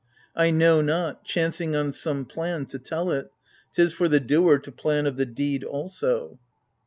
I know not — chancing on some plan — to tell it : 'T is for the doer to plan of the deed also.